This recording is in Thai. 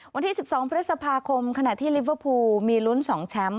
วันที่๑๒พฤษภาคมขณะที่ลิเวอร์พูลมีลุ้น๒แชมป์